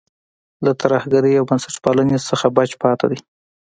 له ترهګرۍ او بنسټپالۍ څخه بچ پاتې دی.